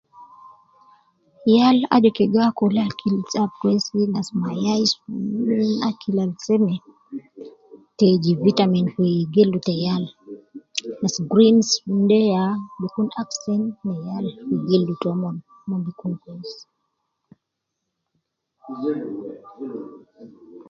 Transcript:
Yal aju ke gi akul akil ab kwesi, je nas mayai si ,akil al seme, te jib vitamin fi gildu te yal, nas greens sun, de ya bi kun aksen ne yal fi gildu tomon, mon gi kun kwesi